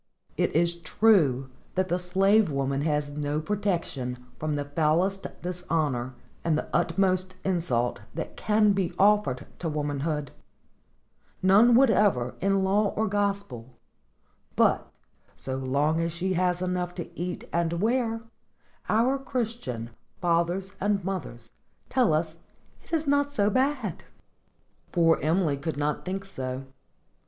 It is true that the slave woman has no protection from the foulest dishonor and the utmost insult that can be offered to womanhood,—none whatever in law or gospel; but, so long as she has enough to eat and wear, our Christian fathers and mothers tell us it is not so bad! Poor Emily could not think so.